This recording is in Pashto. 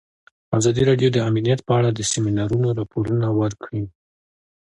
ازادي راډیو د امنیت په اړه د سیمینارونو راپورونه ورکړي.